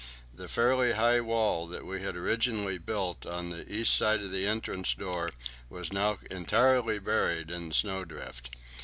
The fairly high wall that we had originally built on the east side of the entrance door was now entirely buried in the snow drift.